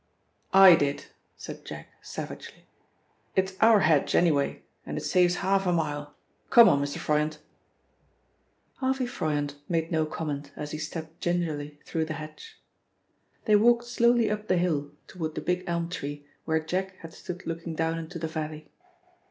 "I did," said Jack savagely. "It is our hedge, anyway, and it saves half a mile come on, Mr. Froyant." Harvey Froyant made no comment as he stepped gingerly through the hedge. They walked slowly up the hill toward the big elm tree where Jack and stood looking down into the valley.